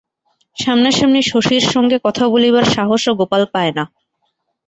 সামনাসামনি শশীর সঙ্গে কথা বলিবার সাহসও গোপাল পায় না!